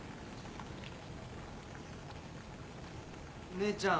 姉ちゃん。